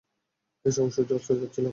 এ সময় সূর্য অস্ত যাচ্ছিল।